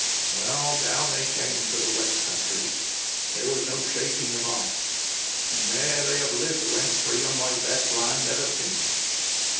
"Well, down they came to the west country, there was no shaking them off, and there they have lived rent free on my best land ever since.